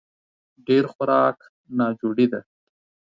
ډېر خوراک ناجوړي ده